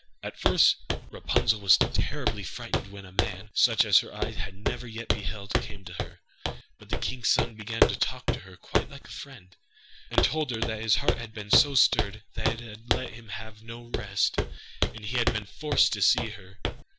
At first Rapunzel was terribly frightened when a man, such as her eyes had never yet beheld, came to her; but the king's son began to talk to her quite like a friend, and told her that his heart had been so stirred that it had let him have no rest, and he had been forced to see her.